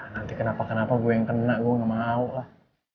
nanti kenapa kenapa gue yang kena gue gak mau lah